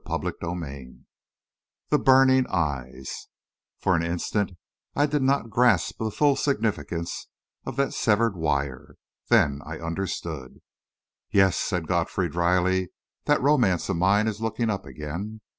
CHAPTER XI THE BURNING EYES For an instant, I did not grasp the full significance of that severed wire. Then I understood. "Yes," said Godfrey drily, "that romance of mine is looking up again.